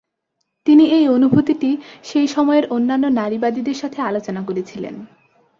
তিনি এই অনুভূতিটি সেই সময়ের অন্যান্য নারীবাদীদের সাথে আলোচনা করেছিলেন।